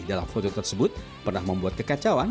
dalam foto tersebut pernah membuat kekacauan